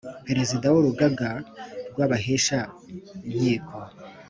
Perezida w urugaga rw abahesha inkiko